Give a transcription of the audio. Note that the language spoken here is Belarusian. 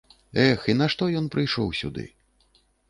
Эх, і нашто ён прыйшоў сюды?